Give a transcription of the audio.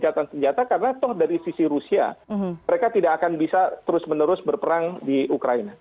karena itu juga mengingatkan senjata karena toh dari sisi rusia mereka tidak akan bisa terus menerus berperang di ukraina